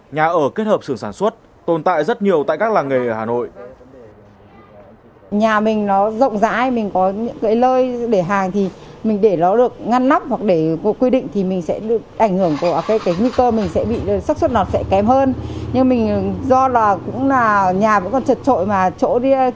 nhà ở kết hợp sử sản xuất tồn tại rất nhiều tại các làng nghề ở hà nội